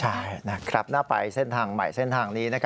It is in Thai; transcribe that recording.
ใช่นะครับน่าไปเส้นทางใหม่เส้นทางนี้